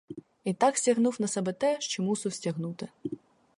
І так стягнув на себе те, що мусив стягнути.